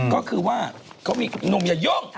ก็คือว่าเค้ามีนมอย่ายง